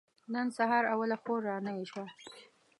نن سهار اوله خور را نوې شوه.